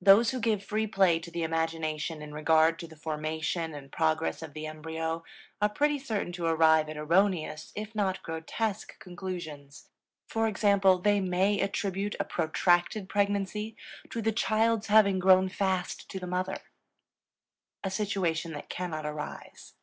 Those who give free play to the imagination in regard to the formation and progress of the embryo are pretty certain to arrive at erroneous if not grotesque conclusions; for example, they may attribute a protracted pregnancy to the child's having grown fast to the mother, a situation that cannot arise.